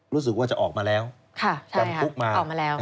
รู้สึกว่าจะออกมาแล้วจำคุกมา